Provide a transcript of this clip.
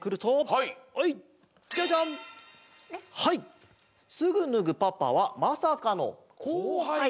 はい「すぐ脱ぐパパはまさかの後輩」。